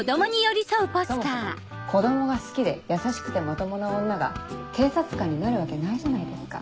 そもそも子供が好きで優しくてまともな女が警察官になるわけないじゃないですか。